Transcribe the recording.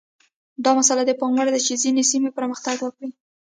دا مسئله د پام وړ ده چې ځینې سیمې پرمختګ وکړي.